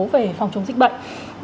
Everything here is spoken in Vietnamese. về phòng chống dịch bệnh